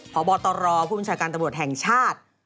ขอบอตรอนร์ผู้จัดการตำรวจแห่งชาติ